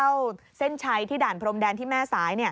ตูนลักษณะจะวิ่งเข้าเส้นชัยที่ด่านพรมแดนที่แม่สาย